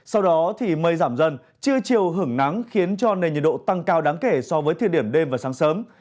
sau đó thì mây giảm dần trưa chiều hưởng nắng khiến cho nền nhiệt độ tăng cao đáng kể so với thời điểm đêm và sáng sớm